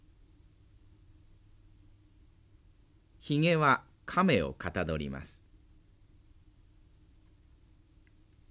ひげは亀をかたどります。